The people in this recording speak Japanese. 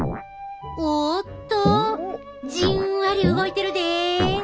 おっとじんわり動いてるで！